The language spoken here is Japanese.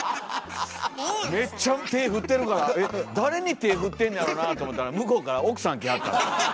めっちゃ手振ってるから誰に手振ってんねやろなと思ったら向こうから奥さん来はったんです。